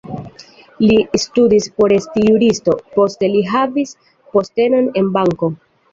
Li studis por esti juristo, poste li havis postenon en banko.